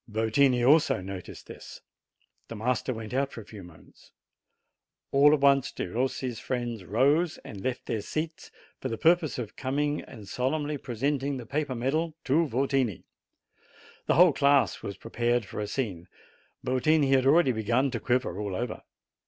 Yotini also noticed this. The master went out tor a few moments. All at once Perossi's friends rose and left their seats, for the purpose of coming and solemnly presenting the paper medal to Yotini. The whole class was prepared for a scene. Yotini had already begun to quiver all over.